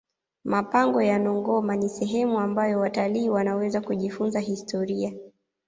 mapango ya nongoma ni sehemu ambayo watalii wanaweza kujifunza historia